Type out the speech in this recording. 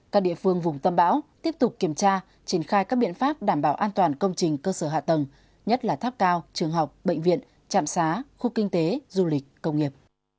các địa phương vùng tâm bão tiếp tục kiểm tra triển khai các biện pháp đảm bảo an toàn công trình cơ sở hạ tầng nhất là tháp cao trường học bệnh viện trạm xá khu kinh tế du lịch công nghiệp